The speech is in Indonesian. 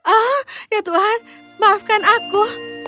oh ya tuhan maafkan aku